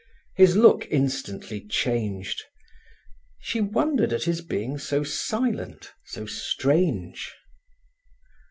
His look instantly changed. She wondered at his being so silent, so strange.